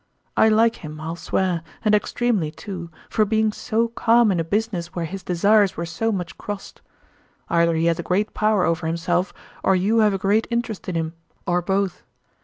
I like him, I'll swear, and extremely too, for being so calm in a business where his desires were so much crossed. Either he has a great power over himself, or you have a great interest in him, or both.